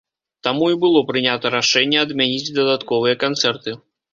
Таму і было прынята рашэнне адмяніць дадатковыя канцэрты.